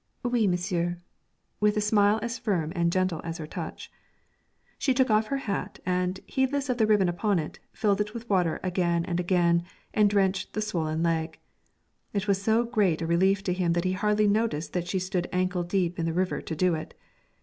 'Oui, monsieur' with a smile as firm and gentle as her touch. She took off her hat, and, heedless of the ribbon upon it, filled it with water again and again and drenched the swollen leg. It was so great a relief to him that he hardly noticed that she stood ankle deep in the river to do it.